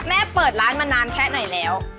เปิดร้านมานานแค่ไหนแล้ว